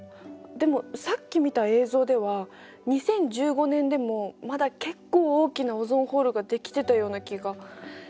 でもさっき見た映像では２０１５年でもまだ結構大きなオゾンホールが出来てたような気が。